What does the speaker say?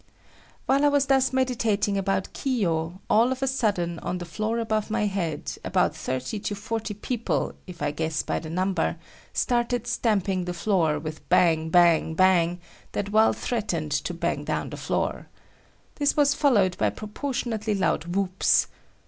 While I was thus meditating about Kiyo, all of a sudden, on the floor above my head, about thirty to forty people, if I guess by the number, started stamping the floor with bang, bang, bang that well threatened to bang down the floor. This was followed by proportionately loud whoops.